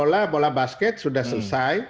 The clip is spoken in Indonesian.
selain sepak bola bola basket sudah selesai